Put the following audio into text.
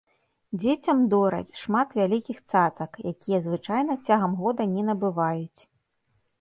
Дзецям дораць шмат вялікіх цацак, якія звычайна цягам года не набываюць.